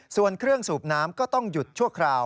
ส่วนเครื่องสูบน้ำก็ต้องหยุดชั่วคราว